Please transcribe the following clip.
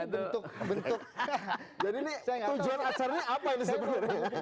bentuk bentuk jadi ini tujuan acaranya apa ini sebenarnya